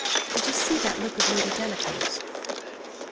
Did you see that look of Lady Delacour's?"